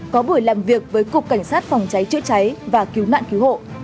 có buổi làm việc với cục cảnh sát phòng cháy chữa cháy và cứu nạn cứu hộ